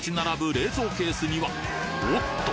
冷蔵ケースにはおっと！